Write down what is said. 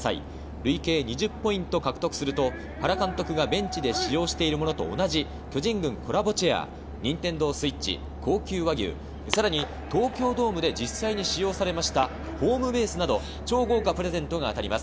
累計２０ポイントを獲得すると原監督がベンチで使用しているものと同じ巨人軍コラボチェア、ＮｉｎｔｅｎｄｏＳｗｉｔｃｈ、高級和牛、さらに東京ドームで実際に使用されたホームベースなど超豪華プレゼントが当たります。